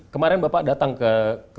kemarin bapak datang ke